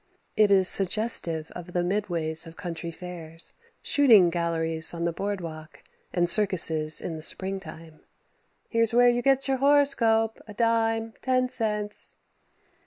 It is suggestive of the midways of country fairs, shooting galleries on the Board Walk, and circuses in the springtime. "Here's where you get your horoscope, a dime, ten cents."